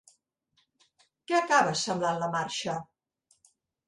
Què acaba semblant la marxa?